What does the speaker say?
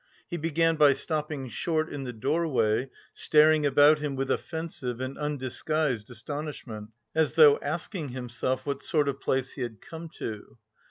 He began by stopping short in the doorway, staring about him with offensive and undisguised astonishment, as though asking himself what sort of place he had come to.